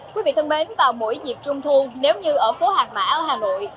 quý vị thân mến vào mỗi dịp trung thu nếu như ở phố hàng mã ở hà nội